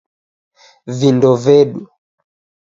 Vindo vedu